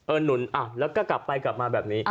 หนุนแล้วก็กลับไปกลับมาแบบนี้